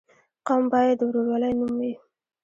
قوم باید د ورورولۍ نوم وي.